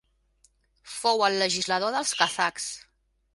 Fou el legislador dels kazakhs.